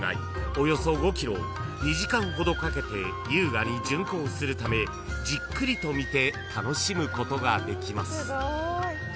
およそ５ｋｍを２時間ほどかけて優雅に巡行するためじっくりと見て楽しむことができます］